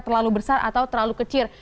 terlalu besar atau terlalu kecil